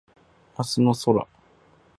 明日の空